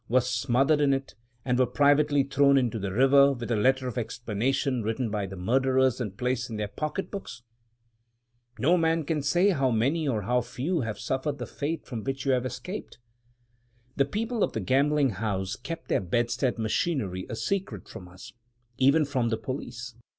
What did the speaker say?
were smothered in it? and were privately thrown into the river, with a letter of explanation written by the murderers and placed in their pocket books? No man can say how many or how few have suffered the fate from which you have escaped. The people of the gambling house kept their bedstead machinery a secret from us — even from the police!